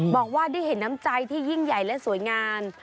บอกว่าได้เห็นน้ำใจที่ยิ่งใหญ่และสวยงาม